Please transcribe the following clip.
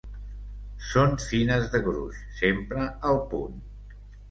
Són fines de gruix, sempre al punt.